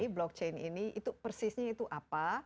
blockchain ini itu persisnya itu apa